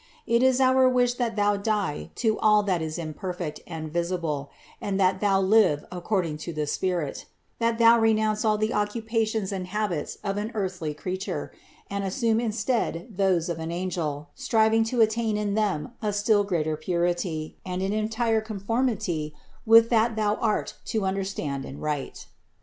It is our wish that thou die to all that is imperfect and visible, and that thou live according to the spirit; that thou renounce all the occupations and habits of an earthly creature and assume instead those of an angel, striving to attain in them a still greater purity and an entire con formity with what thou art to understand and write."